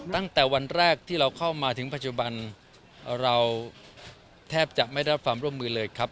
ตั้งแต่วันแรกที่เราเข้ามาถึงปัจจุบันเราแทบจะไม่ได้รับความร่วมมือเลยครับ